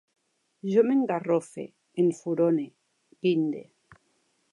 Jo m'engarrofe, enfurone, guinde